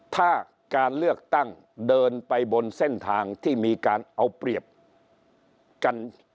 ถ้าการเลือกตั้งเดินไปบนเส้นทางที่มีการเอาเปรียบกัน